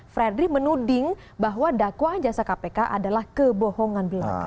fredrik menuding bahwa dakwaan jasa kpk adalah kebohongan belaka